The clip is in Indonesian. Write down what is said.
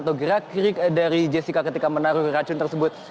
atau gerak gerik dari jessica ketika menaruh racun tersebut